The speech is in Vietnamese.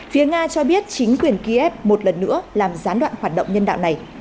phía nga cho biết chính quyền kiev một lần nữa làm gián đoạn hoạt động nhân đạo này